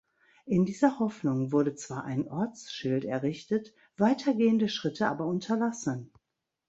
In dieser Hoffnung wurde zwar ein Ortsschild errichtet, weitergehende Schritte aber unterlassen.